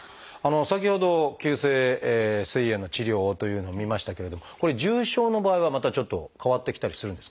先ほど急性すい炎の治療というのを見ましたけれどもこれ重症の場合はまたちょっと変わってきたりするんですか？